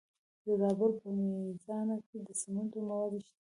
د زابل په میزانه کې د سمنټو مواد شته.